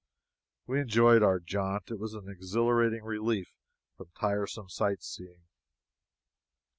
We enjoyed our jaunt. It was an exhilarating relief from tiresome sight seeing.